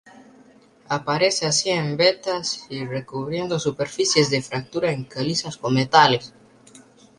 Aparece así en vetas y recubriendo superficies de fractura en calizas con metales.